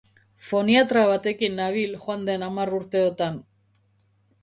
Foniatra batekin nabil joan den hamar urteotan.